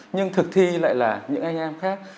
nhưng thực thi lại là những anh em khác